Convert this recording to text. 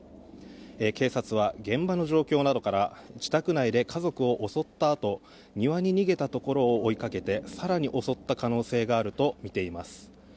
警察は現場の状況などから自宅内で家族を襲ったあと庭に逃げたところを追いかけて更に襲った可能性があるとみています。